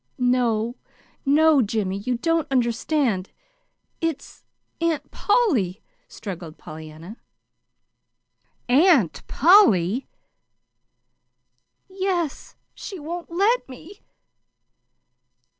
"No, no, Jimmy, you don't understand. It's Aunt Polly," struggled Pollyanna. "AUNT POLLY!" "Yes. She won't let me."